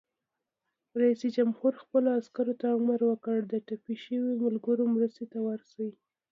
رئیس جمهور خپلو عسکرو ته امر وکړ؛ د ټپي شویو ملګرو مرستې ته ورشئ!